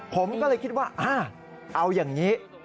ผมก็เลยคิดว่าเอาอย่างนี้